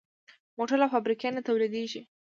موټر له فابریکې نه تولیدېږي.